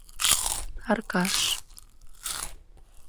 — Аркаш...